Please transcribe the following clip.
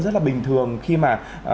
rất là bình thường khi mà